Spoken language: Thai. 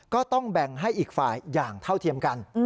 ก็ต้องแบ่งให้อีกฝ่ายอย่างเท่าเทียมกัน